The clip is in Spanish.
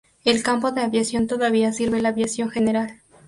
El campo de aviación todavía sirve la aviación general.